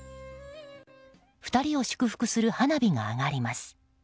２人を祝福する花火が上がります。